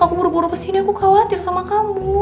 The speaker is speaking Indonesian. aku buru buru kesini aku khawatir sama kamu